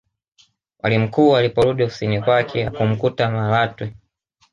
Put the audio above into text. mwalimu mkuu aliporudi ofisini kwake hakumkuta malatwe